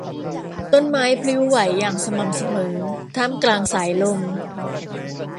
ต้นไม้พลิ้วไหวอย่างสม่ำเสมอท่ามกลางสายลม